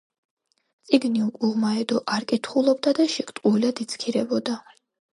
წიგნი უკუღმა ედო, არ კითხულობდა და შიგ ტყუილად იცქირებოდა.